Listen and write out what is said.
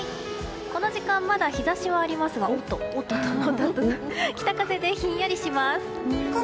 この時間まだ日差しはありますが北風でひんやりします。